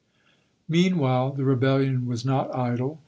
Meanwhile the rebellion was not idle.